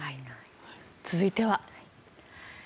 続いては。